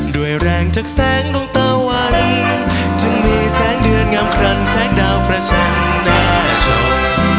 ด้วยแรงจากแสงดวงตาวันจึงมีแสงเดือนงามครันแสงดาวประชันได้ชม